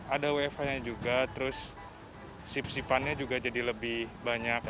ada wfh nya juga terus sip sipannya juga jadi lebih banyak